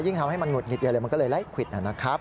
ยิ่งทำให้มันหงุดหงิดอยู่เลยมันก็เลยไล็กควิทธนะนะครับ